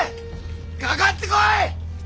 かかってこい！